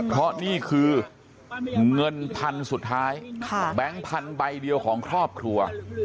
เพราะนี่คือเงินพันสุดท้ายแบงค์พันธุ์ใบเดียวของครอบครัว